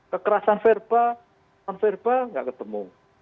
kekerasan verbal non verbal nggak ketemu